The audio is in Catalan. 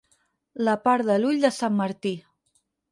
La part de l'ull de sant Martí.